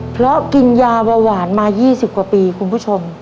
เพราะกินยาเบาหวานมา๒๐กว่าปีคุณผู้ชม